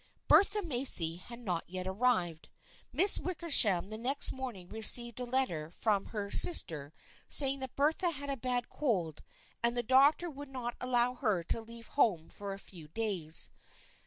Bertha Macy had not yet arrived. Miss Wicker sham the next morning received a letter from her sister, saying that Bertha had a bad cold and the doc THE FRIENDSHIP OF ANNE 223 tor would not allow her to leave home for a few days.